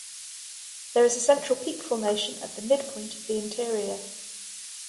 There is a central peak formation at the midpoint of the interior.